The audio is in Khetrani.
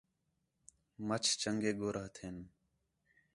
مچھ چنڳے گُر ہتھین